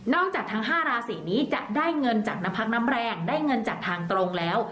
จากทั้ง๕ราศีนี้จะได้เงินจากน้ำพักน้ำแรงได้เงินจากทางตรงแล้ว